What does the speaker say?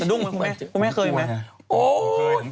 ดุ้งไหมคุณแม่คุณแม่เคยไหม